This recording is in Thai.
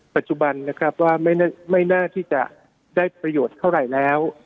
ปัจจุบันนะครับว่าไม่น่าที่จะได้ประโยชน์เท่าไหร่แล้ว